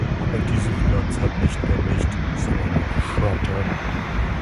Aber diese Bilanz hat nicht nur Licht sondern auch Schatten.